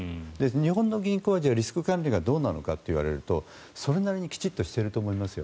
日本の銀行はリスク管理がどうなのかといわれるとそれなりにきちんとしていると思いますよ。